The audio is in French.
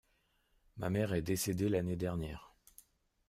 Ma mère est décédée l’année dernière.